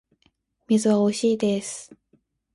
水はおいしいです